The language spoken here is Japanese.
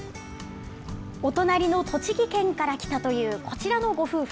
お隣の栃木県から来たというこちらのご夫婦。